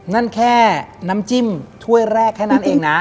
นั่นแค่น้ำจิ้มถ้วยแรกแค่นั้นเองนะ